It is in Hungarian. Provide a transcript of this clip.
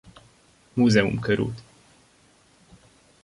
Múzeum krt.